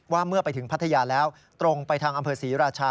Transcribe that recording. เมื่อไปถึงพัทยาแล้วตรงไปทางอำเภอศรีราชา